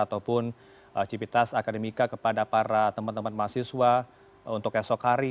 ataupun cipitas akademika kepada para teman teman mahasiswa untuk esok hari